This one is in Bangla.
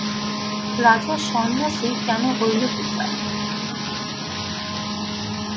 রাজা সন্ন্যাসী কেন হইল পিতা?